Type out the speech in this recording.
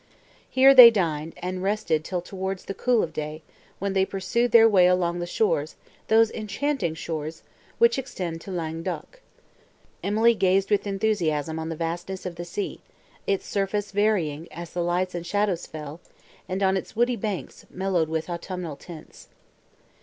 Here they dined, and rested till towards the cool of day, when they pursued their way along the shores—those enchanting shores!—which extend to Languedoc. Emily gazed with enthusiasm on the vastness of the sea, its surface varying, as the lights and shadows fell, and on its woody banks, mellowed with autumnal tints.